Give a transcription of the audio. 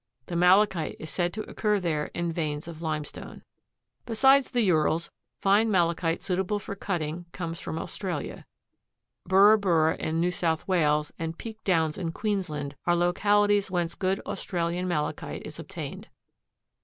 The malachite is said to occur there in veins in limestone. Besides the Urals, fine malachite suitable for cutting comes from Australia. Burra Burra in New South Wales and Peak Downs in Queensland are localities whence good Australian malachite is obtained.